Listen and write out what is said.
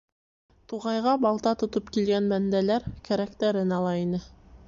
Туғайға балта тотоп килгән бәндәләр кәрәктәрен ала ине.